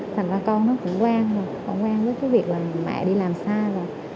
thành ra con nó cũng quen rồi cũng quen với cái việc mà mẹ đi làm xa rồi